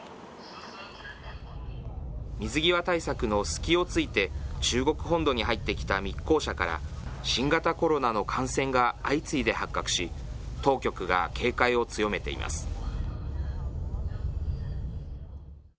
水際対策の隙を突いて、中国本土に入ってきた密航者から、新型コロナの感染が相次いで発覚し、当局が警戒を強めています。